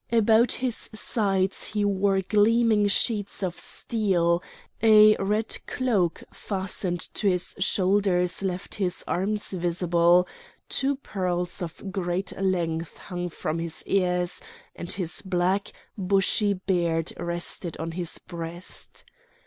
About his sides he wore gleaming sheets of steel; a red cloak, fastened to his shoulders, left his arms visible; two pearls of great length hung from his ears, and his black, bushy beard rested on his breast.